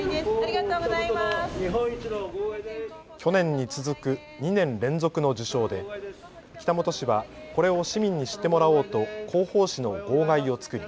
去年に続く２年連続の受賞で北本市はこれを市民に知ってもらおうと広報紙の号外を作り